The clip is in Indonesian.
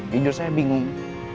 jujur saya bingung